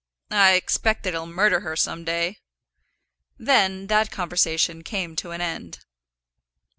"I expect that he'll murder her some day." Then that conversation came to an end.